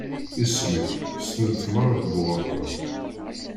Isem-iw ssnen-t merra deg uɣerbaz.